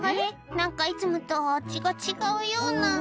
何かいつもと味が違うような」